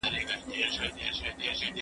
زه اوږده وخت سیر کوم!؟